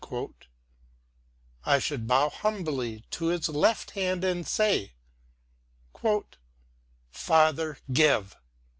B I should bow humbly to his left hand and say, <( Father, give